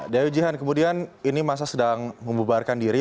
daya ujian kemudian ini masa sedang membubarkan diri